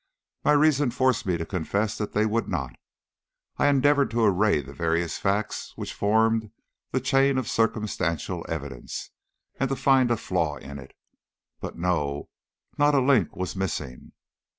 My reason forced me to confess that they would not. I endeavoured to array the various facts which formed the chain of circumstantial evidence, and to find a flaw in it; but no, not a link was missing.